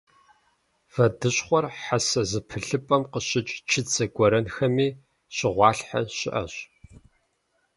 Вэдыщхъуэр хьэсэ зэпылъыпӏэм къыщыкӏ чыцэ гуэрэнхэми щыгъуалъхьэ щыӏэщ.